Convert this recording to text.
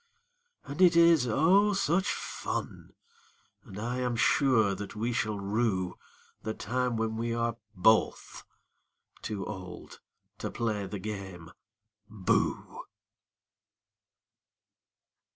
And it is, oh, such fun I am sure that we shall rue The time when we are both too old to play the game "Booh!"